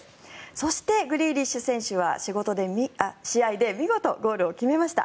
そしてグリーリッシュ選手は試合で見事ゴールを決めました。